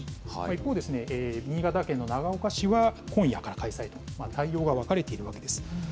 一方、新潟県の長岡市は、今夜から開催と、対応が分かれているわけです。